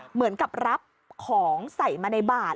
เหมือนกับรับของใส่มาในบาท